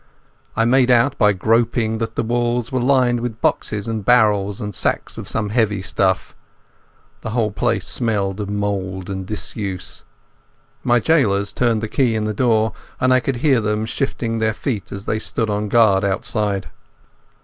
I made out by groping that the walls were lined with boxes and barrels and sacks of some heavy stuff. The whole place smelt of mould and disuse. My gaolers turned the key in the door, and I could hear them shifting their feet as they stood on guard outside.